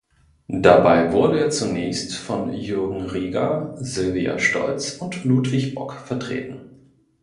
Dabei wurde er zunächst von Jürgen Rieger, Sylvia Stolz und Ludwig Bock vertreten.